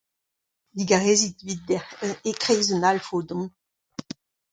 Digarez evit dec'h ! E kreiz un alfo edon.